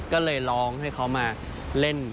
ก็เลยร้องให้เขามาเล่น